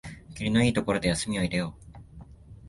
きりのいいところで休みを入れよう